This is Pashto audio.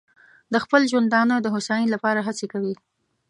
د خپل ژوندانه د هوساینې لپاره هڅې کوي.